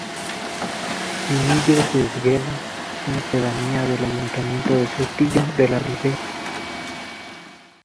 Pinillos de Esgueva es una pedanía del Ayuntamiento de Sotillo de la Ribera.